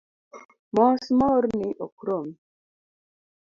Mos moorni ok romi